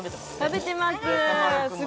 食べてます